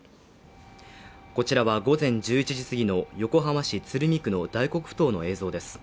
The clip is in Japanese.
こちらは午前１１時過ぎの横浜市鶴見区の大黒ふ頭の映像です。